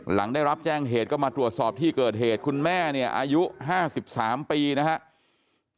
หลังได้รับแจ้งเหตุก็มาตรวจสอบที่เกิดเหตุคุณแม่เนี่ยอายุ๕๓ปีนะครับ